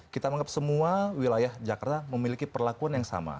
kita menganggap semua wilayah jakarta memiliki perlakuan yang sama